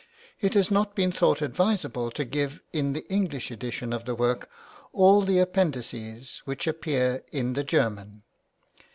It has not been thought advisable to give in the English edition of the work all the Appendixes which appear in the German.